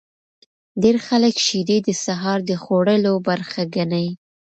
ډیر خلک شیدې د سهار د خوړلو برخه ګڼي.